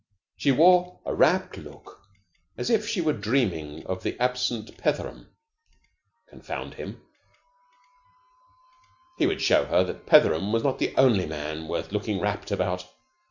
She wore a rapt look, as if she were dreaming of the absent Petheram, confound him. He would show her that Petheram was not the only man worth looking rapt about.